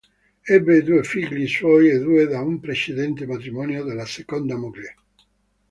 Ebbe due figli suoi e due da un precedente matrimonio della seconda moglie.